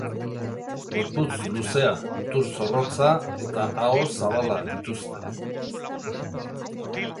Gorputz luzea, mutur zorrotza eta aho zabala dituzte.